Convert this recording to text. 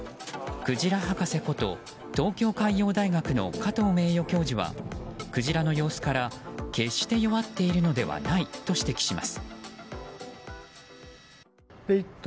クジラ博士こと東京海洋大学の加藤名誉教授はクジラの様子から決して弱っているのではないと指摘します。